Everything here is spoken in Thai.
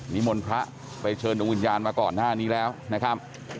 นิมนต์พระไปเชิญดวงวิญญาณมาก่อนหน้านี้แล้วนะครับ